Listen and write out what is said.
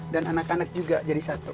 dan anak anak juga jadi satu